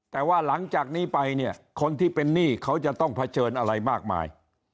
แต่ว่าหลังจากนี้ไปเนี่ยคนที่เป็นหนี้เขาจะต้องเผชิญอะไรมากมาย